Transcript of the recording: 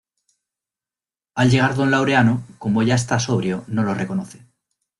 Al llegar don Laureano, como ya está sobrio, no los reconoce.